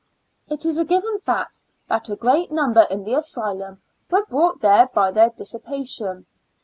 It is a given fact that a great number in the as^dum were brought there by their diissipation.